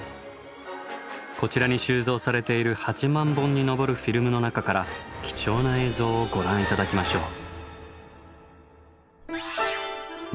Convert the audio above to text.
こちらに収蔵されている８万本に上るフィルムの中から貴重な映像をご覧頂きましょう。